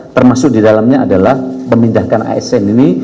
termasuk di dalamnya adalah memindahkan asn ini